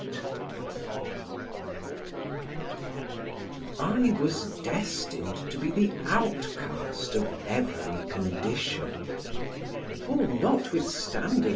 I was destined to be the outcast of every condition; for notwithstanding M.